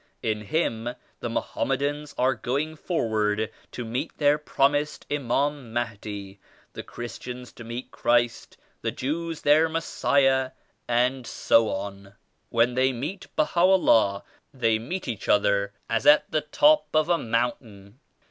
In Him the Mohammedans are going forward to meet their promised Imam Mahdi, the Chris tians to meet Christ, the Jews their Messiah, and so on. When they meet Baha'u'llah they meet each other as at the top of a mountain.